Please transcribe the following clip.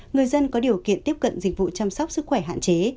người dân có điều kiện tiếp cận dịch vụ chăm sóc sức khỏe hạn chế